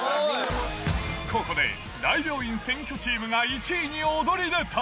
ここで大病院占拠チームが１位に躍り出た。